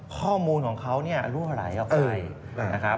ข้อมูลของเขารู้หลายของใคร